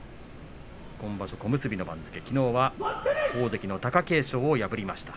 今場所小結の番付きのうは大関貴景勝を破りました。